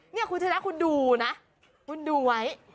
นี่คุณชนะคุณดูนะคุณดูไว้